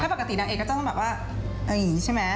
ปกตินางเอกก็ต้องแบบว่าเอาอย่างนี้ใช่ไหม